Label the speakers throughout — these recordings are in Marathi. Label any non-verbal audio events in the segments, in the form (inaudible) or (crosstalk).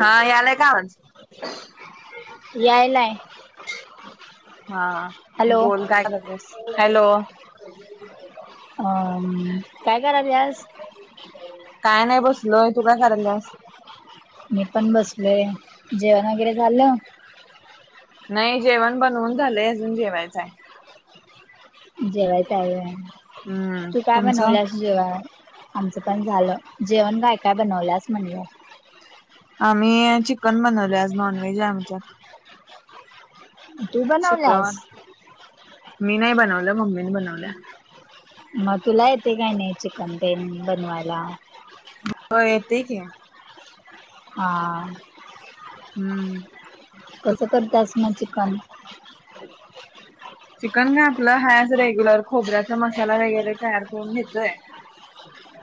Speaker 1: हा यालाय का आवाज.
Speaker 2: यालाय.
Speaker 1: हा बोल काय करतेस हॅलो.
Speaker 2: हा काय कराल्यास.
Speaker 1: काय नाही बसलय तू काय करायलास.
Speaker 2: मी पण बसलोय जेवण वगैरे झालं.
Speaker 1: नाही जेवण बनवून झालंय अजून जेवायचं हाय.
Speaker 2: जेवायच आहे
Speaker 1: हम्म
Speaker 2: तू काय
Speaker 1: तुमचं
Speaker 2: बनवलंस. जेवण आमचं पण झालं जेवण काय काय बनवल्यास म्हणलं.
Speaker 1: आम्ही चिकन बनवले आज नॉनव्हेज आहे आमच्यात.
Speaker 2: तू
Speaker 1: शुक्रवार
Speaker 2: बनवल्यास
Speaker 1: मी नाही बनवलं मम्मीने बनवल्या.
Speaker 2: मग तुला येते काही नाही चिकन प बनवायला.
Speaker 1: होय येते की.
Speaker 2: हां.
Speaker 1: हम्म.
Speaker 2: कसं करतास म चिकन.
Speaker 1: हो. चिकन का आपलं हाय असं आज रेग्युलर खोबऱ्याचा मसाला वगैरे तयार करून घेतोय.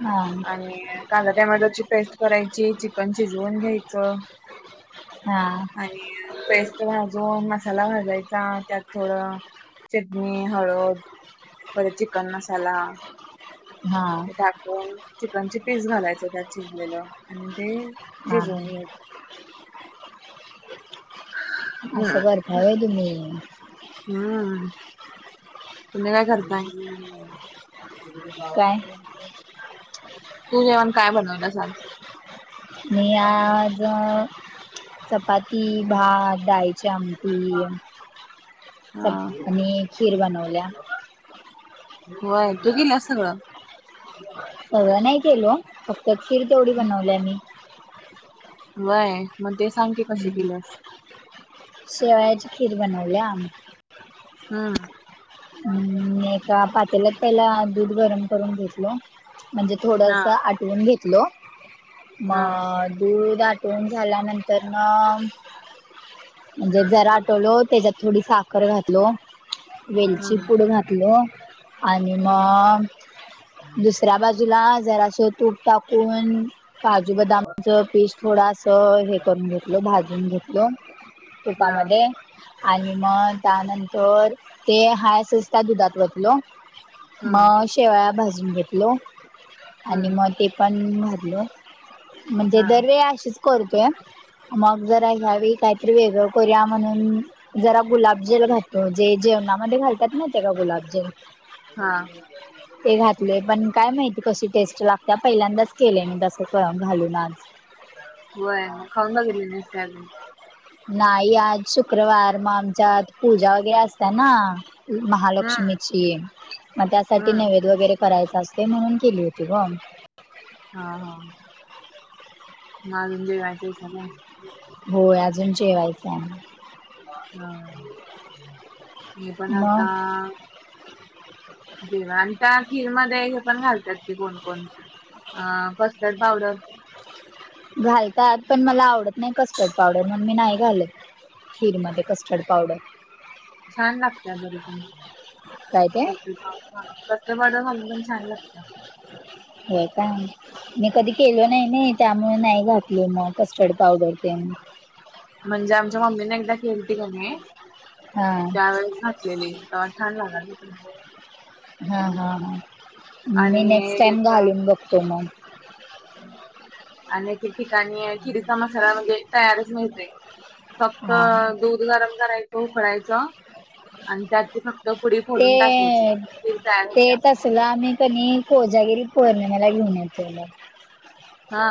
Speaker 2: हा
Speaker 1: आणि कांदा टमॅटोची पेस्ट करायची चिकन शिजवून घ्यायचं.
Speaker 2: हा.
Speaker 1: आणि पेस्ट भाजून मसाला भाजायचा त्यात थोडं. चटणी हळद परत चिकन मसाला
Speaker 2: हा
Speaker 1: ते टा पण चिकन चे पीस घालायच त्यात शिजलेलं आणि ते
Speaker 2: हा
Speaker 1: शिजवून यायच.
Speaker 2: आ सगर भावे द म
Speaker 1: हम् तुम्ही काय करताय
Speaker 2: काय
Speaker 1: तू जेवण काय बनवलं सा आज
Speaker 2: मी आज चपाती भात डायच्या आ ती स
Speaker 1: हा
Speaker 2: आणि खीर बनवल्या
Speaker 1: हो तू किलास ब हो आहे
Speaker 2: सगळं नाही केल फक्त खिर तेवढी बनवली मी
Speaker 1: वय मग ते सांगते कसे केल्यास
Speaker 2: शेवयाची खीर बनवली आम्ही
Speaker 1: हम
Speaker 2: हम् एका पातेलाच पहिला दूध गरम करून घेतलो म्हणजे
Speaker 1: हा
Speaker 2: थोडस आठवून घेतलो
Speaker 1: हा
Speaker 2: मग दूध आठवून झाल्यानंतर मग म्हणजे जरा आठवलो त्याच्यात थोडी साखर घातलो वेल
Speaker 1: हम्म
Speaker 2: घातल आणि
Speaker 1: हम्म
Speaker 2: मग दुसऱ्या बाजूला ज तूप टकून काजू बदामच पीस् थोडस हे करून घेतल भाजून घेतलं दोन
Speaker 1: हा
Speaker 2: तुपामध्ये आणि मग त्यानंतर ते हाय असच त्या दुधात वतलो
Speaker 1: हम्म
Speaker 2: मग शेवळा भाजून घेतलो आणि
Speaker 1: हम्म
Speaker 2: मग ते पण भरलो म्हणजे
Speaker 1: हा
Speaker 2: दरवेळा अशीच करते मग जर अश्यावेळी काहीतरी वेगळं करूया म्हणून जरा गुलाबजेल घाततो जे जेवणामध्ये घालतात ना ते गुलाबजेल
Speaker 1: हा
Speaker 2: ते घातले पण काय माहिती कशी टेस्ट लागते पहिल्यांदाच केले मी तस घालून आज
Speaker 1: होय मग खाऊन बघेली नसते अजून
Speaker 2: नाही आज शुक्रवार मग आमच्या आत पूजा वगैरे असत ना
Speaker 1: हम्म
Speaker 2: महालक्ष्मीची मग त्यासाठी
Speaker 1: हम्म
Speaker 2: नैवद वगैरे करायच असते म्हणून केली होती ग
Speaker 1: हा हा नाही अजून जेवायचे सगळ्यांना
Speaker 2: होय अजून जेवायचे आम्हाला
Speaker 1: ह मी पण आता
Speaker 2: मग
Speaker 1: जेव्हा आणि त्या खीरमध्ये हे पण घालतात की कोण कोण आ कस्टर्ड पावडर
Speaker 2: घालतात पण मला आवडत नाही कस्टड पावडर म्हण मी नाही घालत खीरमध्ये कस्टर्ड पावडर
Speaker 1: छान लागते अग पण
Speaker 2: काय ते
Speaker 1: कस्टर्ड पावडरघालून पण छान लागत
Speaker 2: हो का मी कधी केल नाही नाही त्या म नाही घातली मग कस्टर्ड पावडर ते न
Speaker 1: म्हणजे आमच्या मम्मीने एकदा केलेती का नाही
Speaker 2: हा
Speaker 1: त्यावेेळेस झाकलेली छान लागाल ति
Speaker 2: हां हां हां मी नेक्स्ट टाईम घालून बघतो मग
Speaker 1: अनेक ठिकाणी खिरीचा मसाला म्हणजे तयारच मिळते फक्त
Speaker 2: हा
Speaker 1: दूध गरम करायचं उकळायचं आणि त्यात त फक्त पुडी फोडून टाकायची खीर तयार होत्या
Speaker 2: तला आम्ही कनी कोजागिरी पोर्णिमे ला घेऊन येतो
Speaker 1: हा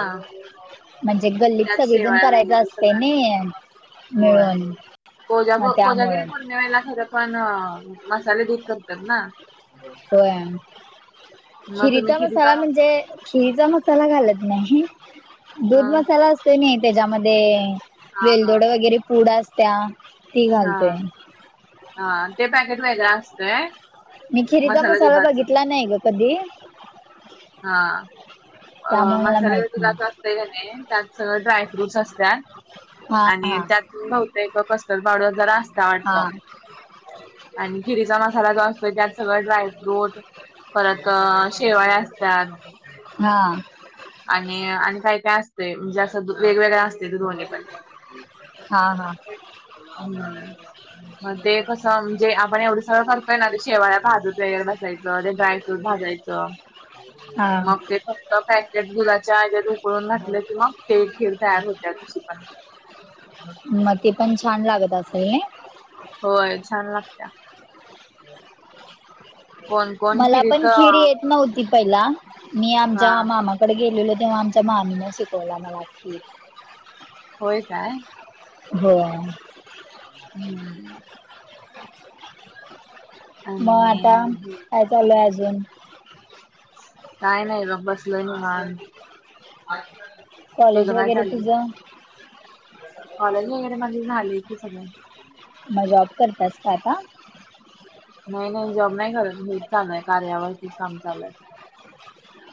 Speaker 2: म्हणजे गल्लीत
Speaker 1: त्यात
Speaker 2: सगळीजण
Speaker 1: शेवाळ्या
Speaker 2: करायच
Speaker 1: वगैरे
Speaker 2: असते
Speaker 1: सगळं असत
Speaker 2: नही.
Speaker 1: होय कोजागो कोजागिरी
Speaker 2: त्यामुळं
Speaker 1: पौर्णिमेला खरं पण मसाले दूध करतात ना?
Speaker 2: होय.
Speaker 1: मग तुम्ही
Speaker 2: खिरीचा मसाला म्हणजे खिरीचा मसाला घालत नाही.
Speaker 1: ह
Speaker 2: दूध
Speaker 1: हा
Speaker 2: मसाला असतो मेन त्याच्यामध्ये. वेलदोड वगैरे पुडा असत्या. ती
Speaker 1: हां,
Speaker 2: घालतोय
Speaker 1: हां. ते पॅकेट वगैरे असतंय.
Speaker 2: मी खिरीचा मसाला बघितला नाही ग कधी.
Speaker 1: हा. अ
Speaker 2: त्यामुळे मला
Speaker 1: मसाले
Speaker 2: माहित
Speaker 1: दुधात
Speaker 2: नाही
Speaker 1: असत का नाही त्यात सगळं ड्राय फ्रूट्स असतात.
Speaker 2: हा हा.
Speaker 1: बहुतेक कस्टर्ड पावडर जरा असता वाटत.
Speaker 2: हा
Speaker 1: आणि खिरीचा मसाला जो असतो त्यात सगळं ड्रायफ्रूट, परत अं शेवाया असत त्या.
Speaker 2: हा.
Speaker 1: आणि आणि काय काय असते म्हणजे असं दु वेगवेगळा असते त दोन्ही पण.
Speaker 2: हा हा.
Speaker 1: हं. म ते कसं म्हणजे आपण एवढं सगळं करतोय ना, ते शेवाया भाजत वगैरे बसायचं ते ड्रायफ्रूट भाजायचं च.
Speaker 2: हा
Speaker 1: मग ते फक्त काय त्यात दुधाच्यात उकळून घातल्या की मग ते खीर तयार होत्या तशीपण.
Speaker 2: म ती पण छान लागत असेल नही?
Speaker 1: होय छान लागतिया.
Speaker 2: मला पण खीरी येत नव्हती. पहिला मी
Speaker 1: हा
Speaker 2: आमच्या मामाकडे गेलेलो तेव्हा आमच्या मामीने शिकवला मला खीर.
Speaker 1: होय काय?
Speaker 2: होय.
Speaker 1: हं.
Speaker 2: (inaudible)
Speaker 1: आणि हे
Speaker 2: चाललय अजून.
Speaker 1: काय नही गं. बसलोय निवांत. तुझ
Speaker 2: कॉलेज
Speaker 1: काय
Speaker 2: वगैरे
Speaker 1: चालल?
Speaker 2: तुझं
Speaker 1: कॉलेज वगैरे माझे झाले कि सगळं.
Speaker 2: म जॉब करतस का आता?
Speaker 1: नाही नाही जॉब नाही करत. हेच चालूय कार्यारतीच काम चालू आहे.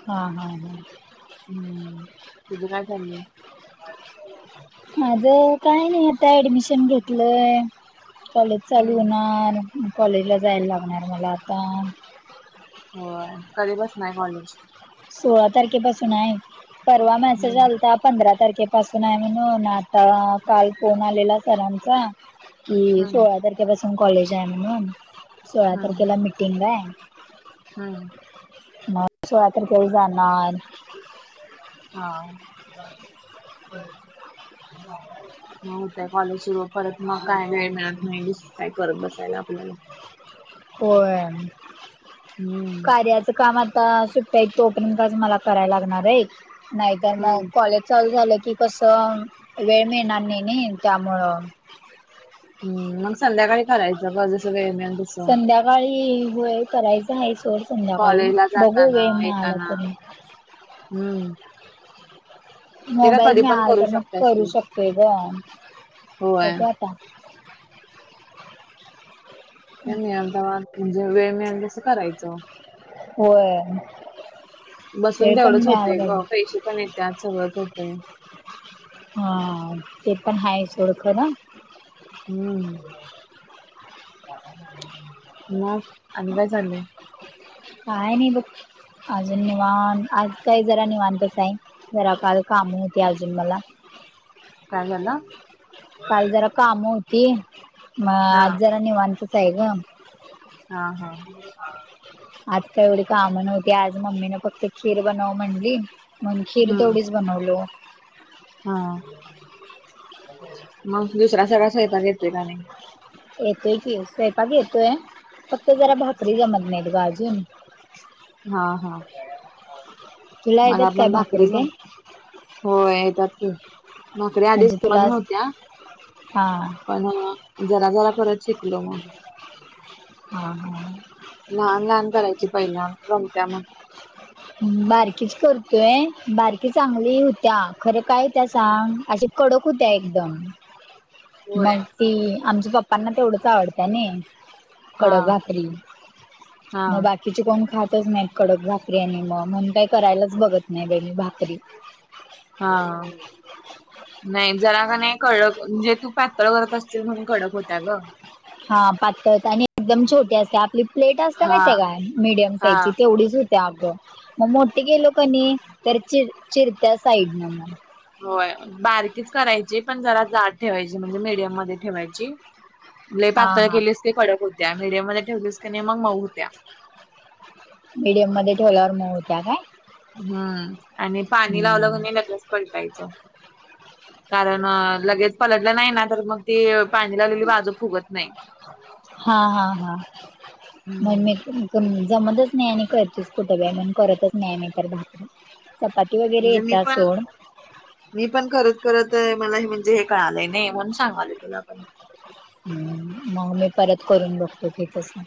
Speaker 2: हा हा हं.
Speaker 1: हं. तुझ काय चाललंय?
Speaker 2: माझं काय नाही, आता ऍडमिशन घेतलंय. कॉलेज चालू
Speaker 1: हम्म
Speaker 2: होणार. म कॉलेजला जायला लागणार मला आता.
Speaker 1: होय. कधी पासन आहे कॉलेज?
Speaker 2: सोळा तारखेपासून आहे. परवा मॅसेज
Speaker 1: हं.
Speaker 2: आलता पंधरा तारखेपासून आहे म्हणून. आता काल फोन आलेला सरांचा. कि
Speaker 1: हं,
Speaker 2: सोळा तारखेपासून कॉलेज आहे म्हणून. सोळा
Speaker 1: हं,
Speaker 2: तारखेला मिटिंग आहे.
Speaker 1: हं.
Speaker 2: तर तेव्हा जाणार,
Speaker 1: हा. म होतय कॉलेज सुरू. परत मग काय वेळ मिळत नाही दुसरं काही करत बसायला आपल्याला.
Speaker 2: होय.
Speaker 1: हं,
Speaker 2: कार्याचं काम आता सूट टी आहे तोपर्यंतच मला करायला लागणार आहे. नाहीतर मग
Speaker 1: हं,
Speaker 2: कॉलेज चालू झालं की कसं, वेळ मिळणार नाही नही त्यामुळं
Speaker 1: हम् मग संध्याकाळी करायचं ग जसं काय मिलस
Speaker 2: संध्याकाळी वय करायचं आहे सोर संध्याकाळी
Speaker 1: कॉलेजला
Speaker 2: बघू
Speaker 1: जाताना,
Speaker 2: व ना आला तर म
Speaker 1: हम्म.
Speaker 2: मोबाईल
Speaker 1: पण
Speaker 2: मिळाल
Speaker 1: करू
Speaker 2: तर मग
Speaker 1: शकतेस
Speaker 2: करू
Speaker 1: तू.
Speaker 2: शकतेो ग
Speaker 1: होय.
Speaker 2: ओके आता
Speaker 1: क म अहमदाबाद म्हणजे वेळ मिळा तसं करायचं.
Speaker 2: वर.
Speaker 1: बसून तेवढंच होतंय ग पैसे पण येत आत सगळंच होतय.
Speaker 2: हा ते पण आहेा ओळख ना.
Speaker 1: हम्म मग आ काय चाललंय?
Speaker 2: काय नाही ब अजून निवान आज. काही जरा नाही म्हांतच नाही जरा का काम होते अजून मला
Speaker 1: काय झालं?
Speaker 2: काल जरा काम होती म
Speaker 1: हां.
Speaker 2: आज जरा वांतच आहे का?
Speaker 1: हा हा.
Speaker 2: आता का एवढी कामण होती आज मम्मीने फक्त खीर बनव म्हणली म्हणून खीर
Speaker 1: हा
Speaker 2: तेोडीच. बनलो.
Speaker 1: हा मग दुसरा्या सगळ्या स्वयपा घेतो का नाही.
Speaker 2: येतोय की स्वैंपाक येतोय फक्त जरा भाकरी जमत नाहीत बाजून ह.
Speaker 1: हा हा
Speaker 2: तुला
Speaker 1: मला
Speaker 2: येतात काय
Speaker 1: पण भाकरी
Speaker 2: ते
Speaker 1: घण. होय येतात की भाकररी आधी
Speaker 2: म्हणजे
Speaker 1: समज
Speaker 2: तुला
Speaker 1: नव्हत्या.
Speaker 2: हा
Speaker 1: ना जरा जरा कररात शिकलो मग
Speaker 2: हा हा.
Speaker 1: लहान लहान करायची पहिला रमत्या मग
Speaker 2: बारकीच करतोय बारकी चांगली होत्या खरं काय? त्या सांग असे कडक होत्या एकदम
Speaker 1: होय
Speaker 2: मग ती आमच्या पप्पांना तेवढंच आवडतंय ना.
Speaker 1: हा
Speaker 2: कडकबाफरी
Speaker 1: हा
Speaker 2: मग बाकी तिचे कोण खातच नाहीत कडक भाकरी आणि मग म्हण काही करायलाच बघत नाही बेी भाकरी
Speaker 1: हा. नाही जरा का नाही कडक म्हणजे तू पातळ करत असतील म्हणून कडक होता ग.
Speaker 2: हा पातळ आणि एकदम छोटी असते आपली प्लेट असते
Speaker 1: हा
Speaker 2: माहिे काय मीडियम
Speaker 1: हा
Speaker 2: साईजची तेवढीच हो. त्याग मग मोठे गेलो कणी तर चि चिरत्या साईड न मग
Speaker 1: होय बारकीच करायची पण जरा जाड ठेवायची म्हणजे मीडियम म ठेवायची.
Speaker 2: हा
Speaker 1: पातळ
Speaker 2: हा
Speaker 1: केलीस की कडक होत्या मीडियम मध्ये ठेवलीस की नाही मग मऊ होत्या.
Speaker 2: मीडियम मध्ये ठेवल्यावर म होत्या काय?
Speaker 1: हम्म आणि पाणी
Speaker 2: हम्म
Speaker 1: लावलं क न पलटायचं कारण लगेच पलटलं नाही ना तर मग ते पाणी लावलेली बाजू फुगत नाही.
Speaker 2: हां हां हा
Speaker 1: हम्म
Speaker 2: म्हज म पण जमतच नाही आणि करचीच कुठंबे आहे म्हण करतच नाही म तर भाातर चपाती वगैरे
Speaker 1: म्हणजे मी
Speaker 2: येतात
Speaker 1: पण
Speaker 2: सोड.
Speaker 1: मी पण खत करत मला हे म्हणजे हे कळालंय नाही म्हणून सांगाले तुला पण
Speaker 2: मग मी परत करून बघतो की कसं?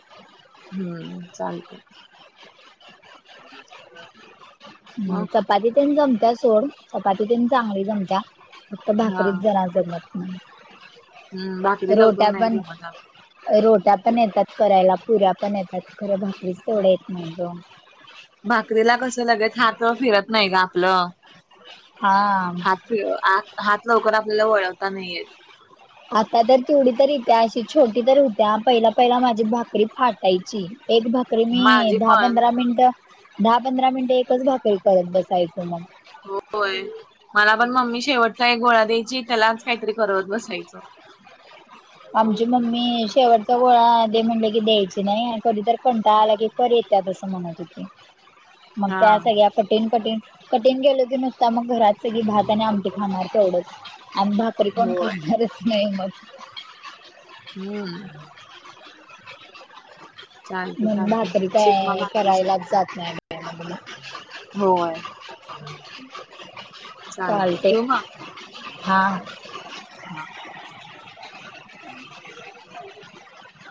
Speaker 1: हम्म चालतेय. ह.
Speaker 2: हम् चपाती पण जमत्या सोड चपाती प चांगली जमत्या. फक्त
Speaker 1: हा
Speaker 2: भाकरीत जरा जमत
Speaker 1: हम्म
Speaker 2: नाही
Speaker 1: भाकरी लवकर
Speaker 2: रोट्या
Speaker 1: नाही
Speaker 2: पण
Speaker 1: जमत. अगं.
Speaker 2: रोट्या पण येतात करायला पुऱ्या पण येतात खरं भाकरीच तेवढ आहेतेत म्हणज
Speaker 1: भाकरीला कसं लगेच हात फिरत नाही का आपलं.
Speaker 2: हा.
Speaker 1: हा हात ना लवकर आपल्याला वळवता नाही येत.
Speaker 2: आता तर तेवढी तरी ईत्या, अशी छोटी तर होत्या, पहिल पहिल माझी भाकरी फाटायची एक भाकरी भाकरी मी
Speaker 1: माझी
Speaker 2: दहा
Speaker 1: पण
Speaker 2: पंधरा मिनिट, दहा पंधरा मिनिट एकच भाकरी करत बसायचं मग.
Speaker 1: होय, मला पण मम्मी शेवटचा एक गोळा द्यायची त्यालाच काहीतरी करत बसायचं.
Speaker 2: आमची मम्मी शेवटचा गोळा दे म्हणल की द्यायची नाही, आणि कधी जर कंटाळा आला कि बर येतात असं म्हणत होते, मग
Speaker 1: हा
Speaker 2: त्यात या कठीण कठीण कठीण गेलो की नुसता, मग घरात सगळी भात आणि आमटी खाणार तेवढंच. अन भाकरी कोण
Speaker 1: होय
Speaker 2: खाणारच नाही मग.
Speaker 1: हम्म. चालते
Speaker 2: मग
Speaker 1: चालते
Speaker 2: भाकरी
Speaker 1: शिक मग
Speaker 2: काय
Speaker 1: भाकरी शिक
Speaker 2: करायलाच जात नाही. ला (inaudible)
Speaker 1: होय चालतय, ठेवू मग?
Speaker 2: हा.
Speaker 1: हम्म (inaudible)